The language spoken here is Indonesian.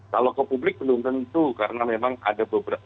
kalau ke publik belum tentu karena memang ada beberapa